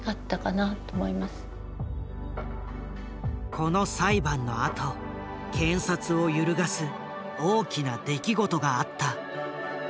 この裁判のあと検察を揺るがす大きな出来事があった。